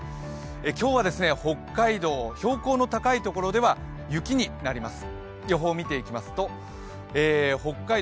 今日は北海道、標高の高いところでは雪になります。